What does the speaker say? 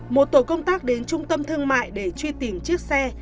một tổ công tác đến trung tâm thương mại để truy tìm chiếc xe